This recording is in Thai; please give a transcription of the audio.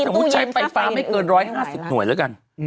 แต่ถ้าสมมุติใช้ไฟฟ้าไม่เกิน๑๕๐หน่วยแล้วกัน